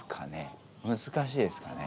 難しいですかね？